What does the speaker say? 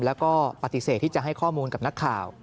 แล้วก็ปฏิเสธที่จะให้ข้อมูลกับนักข่าว